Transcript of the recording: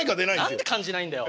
何で感じないんだよ！